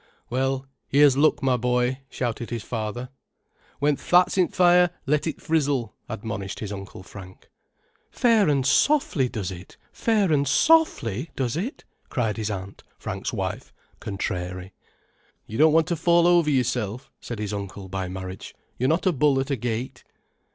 "Well, here's luck, my boy," shouted his father. "When th' fat's in th' fire, let it frizzle," admonished his uncle Frank. "Fair and softly does it, fair an' softly does it," cried his aunt, Frank's wife, contrary. "You don't want to fall over yourself," said his uncle by marriage. "You're not a bull at a gate."